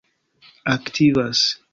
aktivas